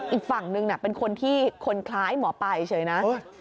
อีกฝั่งนึงเป็นคนที่คนคล้ายหมอปลายเฉยนะ